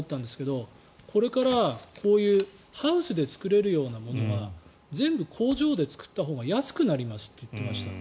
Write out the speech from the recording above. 僕が聞いてなるほどと思ったんですがこれからこういうハウスで作れるものが全部工場で作ったほうが安くなりますって言ってました。